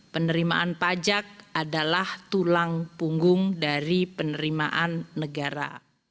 penerimaan pajak adalah tulang punggung dari penerimaan negara